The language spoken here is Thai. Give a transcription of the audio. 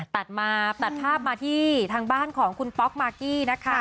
ตัดมาตัดภาพมาที่ทางบ้านของคุณป๊อกมากกี้นะคะ